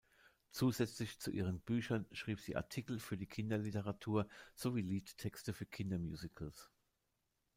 Zusätzlich zu ihren Büchern schrieb sie Artikel für die Kinderliteratur sowie Liedtexte für Kindermusicals.